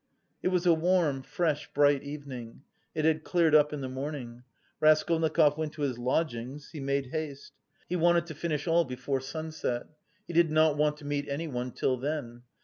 It was a warm, fresh, bright evening; it had cleared up in the morning. Raskolnikov went to his lodgings; he made haste. He wanted to finish all before sunset. He did not want to meet anyone till then.